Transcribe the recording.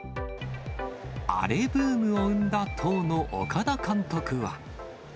アレブームを生んだ当の岡田監督は。